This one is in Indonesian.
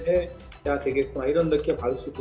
dan mereka akan lebih baik